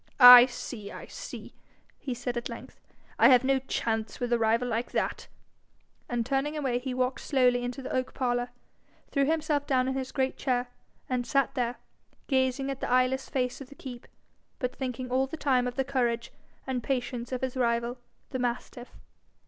'I see, I see!' he said at length, 'I have no chance with a rival like that!' and turning away he walked slowly into the oak parlour, threw himself down in his great chair, and sat there, gazing at the eyeless face of the keep, but thinking all the time of the courage and patience of his rival, the mastiff.